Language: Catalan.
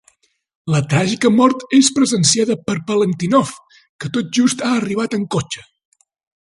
La tràgica mort és presenciada per Valentinov, que tot just ha arribat en cotxe.